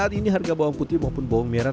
saat ini harga bawang putih maupun bawang merah